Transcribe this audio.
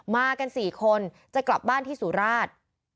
มากัน๔คนจะกลับบ้านที่สุราช